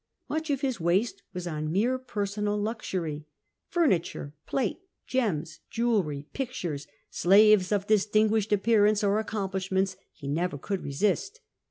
Much of his waste was on mere personal luxury ; furniture, plate, gems, jewellery, pictures, slaves of distinguished appearance or accomplish ments, he never could resist.